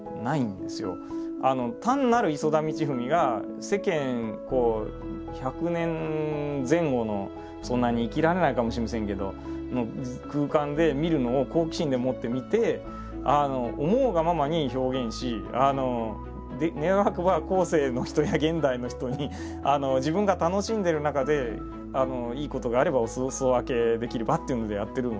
単なる磯田道史が世間１００年前後のそんなに生きられないかもしれませんけどの空間で見るのを好奇心でもって見て思うがままに表現し願わくば後世の人や現代の人に自分が楽しんでる中でいいことがあればお裾分けできればっていうのでやってるので。